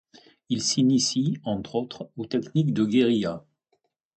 Ils s'initient, entre autres, aux techniques de guérilla.